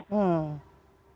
siapa yang memutlakkan